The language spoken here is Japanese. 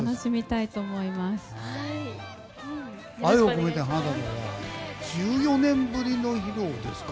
「愛をこめて花束を」は１４年ぶりの披露ですか。